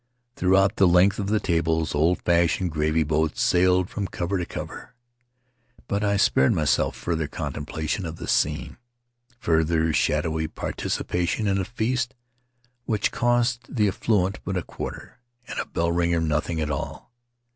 Throughout the length of the tables old fashioned gravy boats sailed from cover to cover — but I spared myself further con templation of the scene, further shadowy participa tion in a feast which cost the affluent but a quarter, and a bell ringer nothing at all.